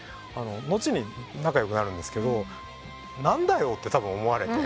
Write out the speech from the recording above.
後に仲良くなるんですけど「何だよ」ってたぶん思われて。